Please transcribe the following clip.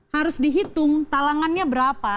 harus dihitung talangannya berapa